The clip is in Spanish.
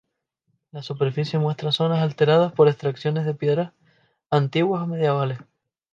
La superficie muestra zonas alteradas por extracciones de piedras, antiguas o medievales.